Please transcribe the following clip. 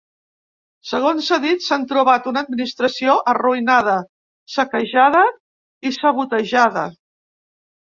Segons ha dit, s’han trobat una administració “arruïnada, saquejada i sabotejada”.